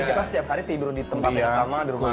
kita setiap hari tidur di tempat yang sama di rumah